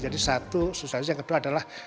dan tadi jadi satu susahnya yang kedua adalah